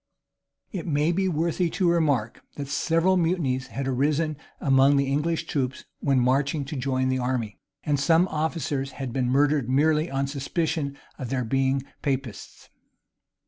[] It may be worthy of remark, that several mutinies had arisen among the English troops when marching to join the army; and some officers had been murdered merely on suspicion of their being Papists.